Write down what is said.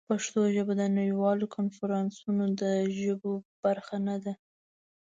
پښتو ژبه د نړیوالو کنفرانسونو د ژبو برخه نه ده.